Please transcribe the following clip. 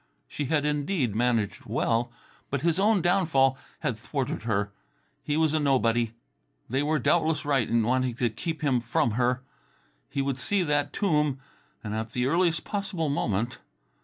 She had indeed managed well, but his own downfall had thwarted her. He was a nobody. They were doubtless right in wanting to keep him from her. Yet he would see that tomb, and at the earliest possible moment.